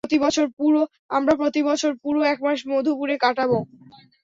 আমরা প্রতি বছর পুরো একমাস মধুপুরে কাটাবো।